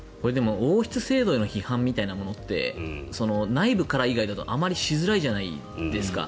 王室制度への批判みたいなものって内部から以外だとあまりしづらいじゃないですか。